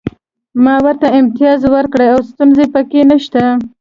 ما ورته امتیاز ورکړی او ستونزه پکې نشته